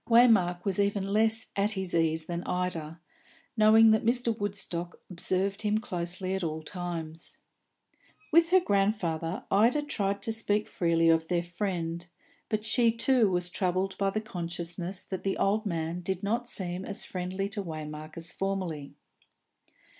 Waymark was even less at his ease than Ida, knowing that Mr. Woodstock observed him closely at all times. With her grandfather Ida tried to speak freely of their friend, but she too was troubled by the consciousness that the old man did not seem as friendly to Waymark as formerly.